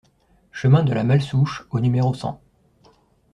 Chemin de Malsouche au numéro cent